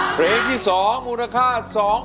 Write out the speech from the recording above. เพลงที่สองมูลค่า๒๐๐๐๐ดาวร้อง